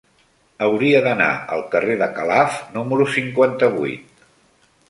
Hauria d'anar al carrer de Calaf número cinquanta-vuit.